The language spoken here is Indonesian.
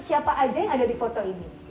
siapa aja yang ada di foto ini